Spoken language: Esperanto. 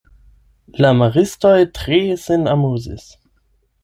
La maristoj tre sin amuzis.